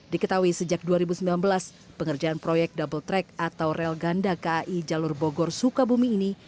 diketahui sejak dua ribu sembilan belas pengerjaan proyek double track atau rel ganda kai jalur bogor sukabumi ini